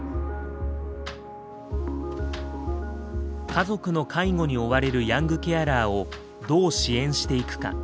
家族の介護に追われるヤングケアラーをどう支援していくか。